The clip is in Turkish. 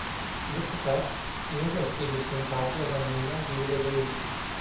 Bu sefer, yılbaşı gecesini takip eden günler gibi de değildim.